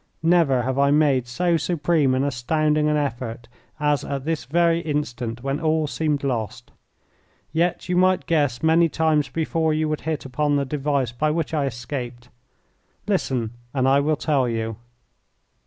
Never have I made so supreme and astounding an effort as at this very instant when all seemed lost. Yet you might guess many times before you would hit upon the device by which I escaped them. Listen and I will tell you.